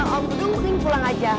om dudung mending pulang aja